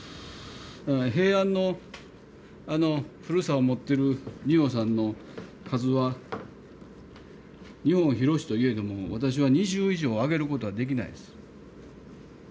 平安の古さを持ってる仁王さんの数は日本広しといえども私は２０以上挙げることはできないです。